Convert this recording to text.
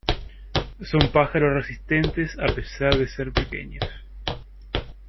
Son pájaros resistentes a pesar de ser pequeños.